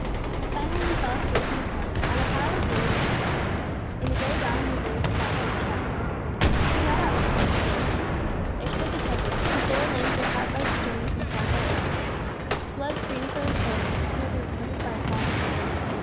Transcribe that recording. Finally he fell asleep in the corner, on a pile of woolly skins. In the gray dawn he was awakened by a great shout. He got up, and went to the door. There stood the shepherd. His bare limbs were cut by stones and torn by thorns. Blood streamed from his forehead where he had been wounded by a falling branch.